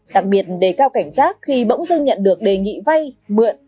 đặc biệt đề cao cảnh giác khi bỗng dưng nhận được đề nghị vay mượn